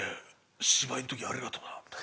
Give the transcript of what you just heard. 芝居ん時ありがとな」。